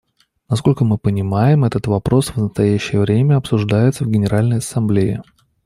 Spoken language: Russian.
Насколько мы понимаем, этот вопрос в настоящее время обсуждается в Генеральной Ассамблее.